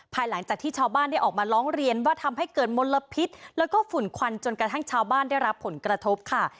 ภายหลังจากที่ชาวบ้านได้ออกมาร้องเรียนว่าทำให้เกิดมลพิษแล้วก็ฝุ่นควันจนกระทั่งชาวบ้านได้รับผลกระทบค่ะ